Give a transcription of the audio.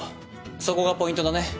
そこがポイントだね。